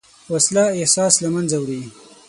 وسله احساس له منځه وړي